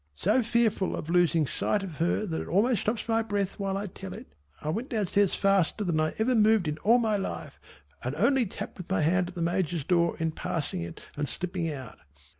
So fearful of losing sight of her that it almost stops my breath while I tell it, I went down stairs faster than I ever moved in all my life and only tapped with my hand at the Major's door in passing it and slipping out.